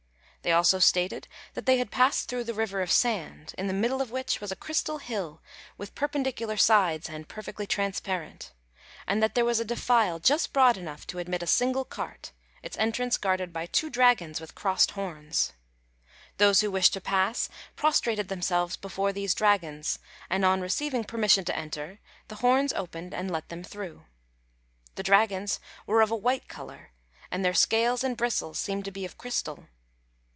They also stated that they had passed through the River of Sand, in the middle of which was a crystal hill with perpendicular sides and perfectly transparent; and that there was a defile just broad enough to admit a single cart, its entrance guarded by two dragons with crossed horns. Those who wished to pass prostrated themselves before these dragons, and on receiving permission to enter, the horns opened and let them through. The dragons were of a white colour, and their scales and bristles seemed to be of crystal.